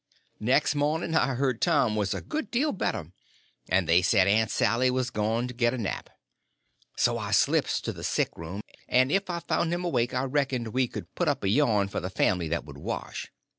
Next morning I heard Tom was a good deal better, and they said Aunt Sally was gone to get a nap. So I slips to the sick room, and if I found him awake I reckoned we could put up a yarn for the family that would wash.